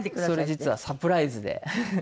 それ実はサプライズで。